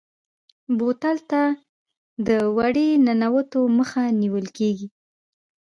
بوتل ته د دوړې ننوتو مخه نیول کېږي.